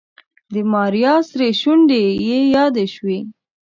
د ماريا سرې شونډې يې يادې شوې.